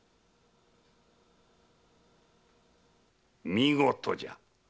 ・見事じゃ。